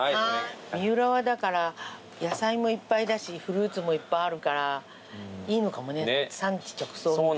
三浦は野菜もいっぱいだしフルーツもいっぱいあるからいいのかもね産地直送みたいに。